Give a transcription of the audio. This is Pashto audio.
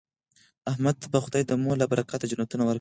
احمد ته به خدای د مور له برکته جنتونه ورکړي.